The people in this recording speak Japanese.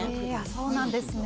「そうなんですね」